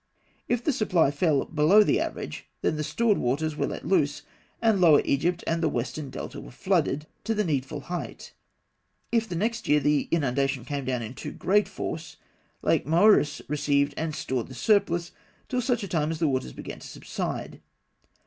If the supply fell below the average, then the stored waters were let loose, and Lower Egypt and the Western Delta were flooded to the needful height. If next year the inundation came down in too great force, Lake Moeris received and stored the surplus till such time as the waters began to subside.